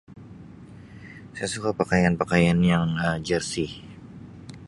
Saya suka pakaian-pakaian yang Um jersey.